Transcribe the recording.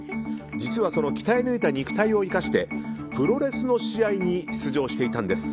実はその鍛え抜かれた肉体を生かしてプロレスの試合に出場していたんです。